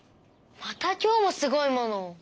また今日もすごいものを。